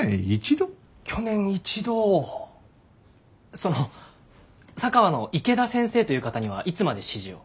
その佐川の池田先生という方にはいつまで師事を？